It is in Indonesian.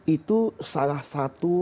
itu salah satu